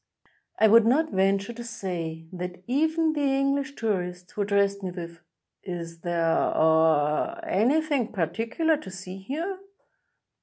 I would not venture to say that even the English tourist, who addressed me with: ''Is there — aw — any thing particular to see here?"